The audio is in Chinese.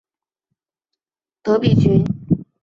德比郡。